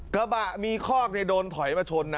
กระบะมีคอกโดนถอยมาชนนะ